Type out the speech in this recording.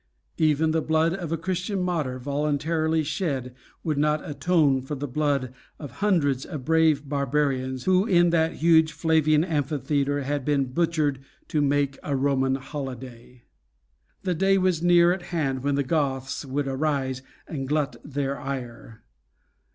Even the blood of a Christian martyr voluntarily shed would not atone for the blood of hundreds of brave barbarians who, in that huge Flavian amphitheatre, had been "Butchered to make a Roman holiday." The day was near at hand when the Goths would arise and glut their ire.